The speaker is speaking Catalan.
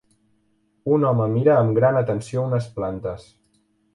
Un home mira amb gran atenció unes plantes.